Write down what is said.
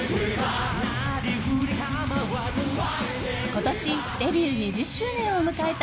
今年デビュー２０周年を迎えた